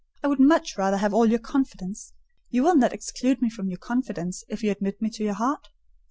I would much rather have all your confidence. You will not exclude me from your confidence if you admit me to your heart?"